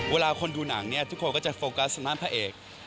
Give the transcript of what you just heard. เวลาคนดูหนังเนี่ยทุกคนก็จะโฟกัสมาร์ทพระเอก